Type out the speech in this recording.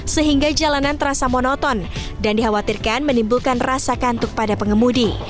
sehingga jalanan terasa monoton dan dikhawatirkan menimbulkan rasa kantuk pada pengemudi